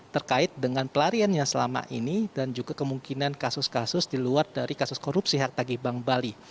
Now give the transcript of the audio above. terkait dengan pelariannya selama ini dan juga kemungkinan kasus kasus di luar dari kasus korupsi hak tagih bank bali